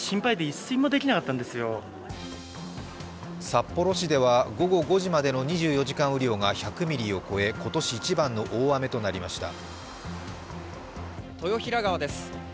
札幌市では午後５時までの２４時間雨量が１００ミリを超え今年一番の大雨となりました。